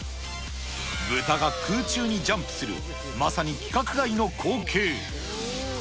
豚が空中にジャンプする、まさに規格外の光景。